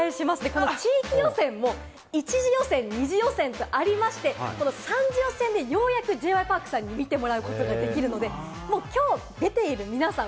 この地域予選も１次予選、２次予選とありまして、３次予選でようやくＪ．Ｙ．Ｐａｒｋさんに見てもらうことができるので、きょう出ている皆さん